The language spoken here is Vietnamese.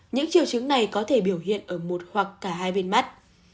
những triệu chứng này có thể biểu hiện ở một hoặc cả hai bên mắt